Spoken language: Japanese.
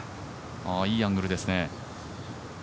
いいアングルですね。